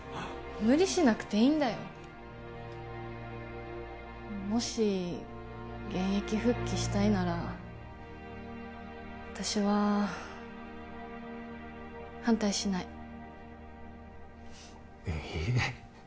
無理しなくていいんだよもし現役復帰したいなら私は反対しないえっ？